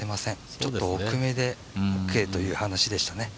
ちょっと奥めでオーケーという話しでしたね。